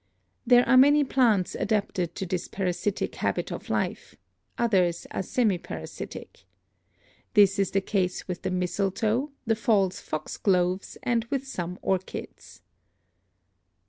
There are many plants adapted to this para sitic habit of life; others are semi parasitic. This is the case with the mistletoe, the false foxgloves and with some orchids.